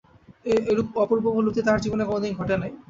এরূপ অপূর্ব উপলব্ধি তাহার জীবনে কোনোদিন ঘটে নাই।